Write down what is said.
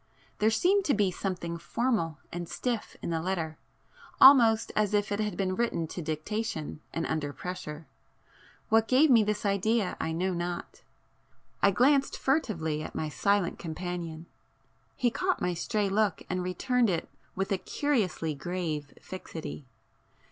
There seemed to be something formal and stiff in the letter, almost as if it had been written to dictation, and under pressure. What gave me this idea I know not. I glanced furtively at my silent companion,—he caught my stray look and returned it with a curiously grave fixity.